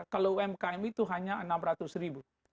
kalau umkm itu hanya rp enam ratus